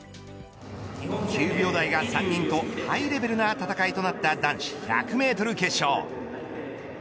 ９秒台が３人とハイレベルな戦いとなった男子１００メートル決勝。